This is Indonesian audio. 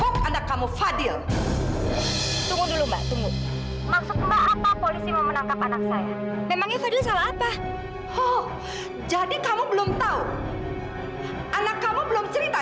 sampai jumpa di video selanjutnya